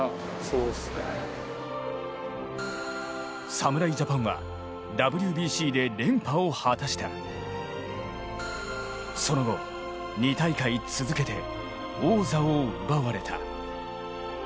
侍ジャパンはＷＢＣで連覇を果たしたその後、２大会続けて王座を奪われた。